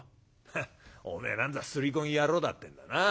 「ヘッおめえなんざすりこ木野郎だってんだな。